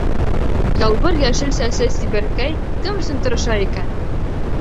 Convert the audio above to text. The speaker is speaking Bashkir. Ялбыр йәшел сәсле сибәркәй кем өсөн тырыша икән?